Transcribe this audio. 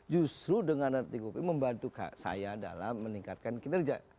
justru dengan arti tgpp membantu saya dalam meningkatkan kinerja